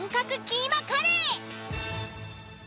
キーマカレー？